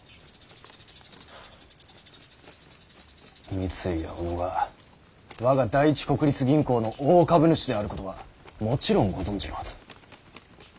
三井や小野が我が第一国立銀行の大株主であることはもちろんご存じのはず。